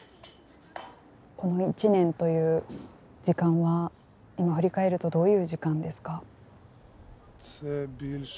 この１年という時間は今振り返るとどういう時間ですか。